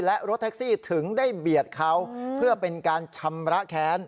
และรถแท็กซี่ถึงได้เบียดเขาเพื่อเป็นการชำระแค้น